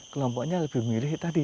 kelompoknya lebih mirip tadi